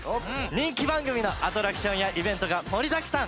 人気番組のアトラクションやイベントが盛りだくさん！